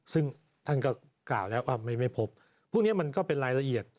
ซึ่งท่านก็กล่าวแล้วว่าไม่พบพวกนี้มันก็เป็นรายละเอียด